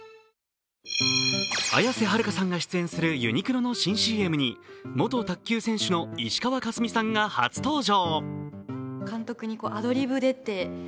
綾瀬はるかさんが出演するユニクロの新ＣＭに元卓球選手の石川佳純さんが初登場。